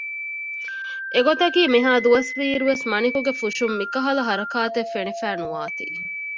އެ ގޮތަކީ މިހައި ދުވަސް ވީއިރު ވެސް މަނިކުގެ ފުށުން މިކަހަލަ ހަރަކާތެއް ފެނިފައި ނުވާތީ